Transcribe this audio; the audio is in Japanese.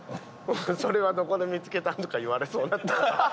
「それはどこで見つけた？」とか言われそうだったから。